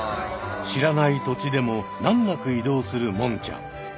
知らない土地でも難なく移動するもんちゃん。